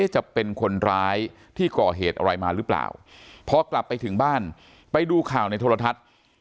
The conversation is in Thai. จะเป็นคนร้ายที่ก่อเหตุอะไรมาหรือเปล่าพอกลับไปถึงบ้านไปดูข่าวในโทรทัศน์